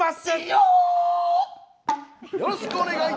よろしくお願い。